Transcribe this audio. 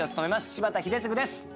柴田英嗣です。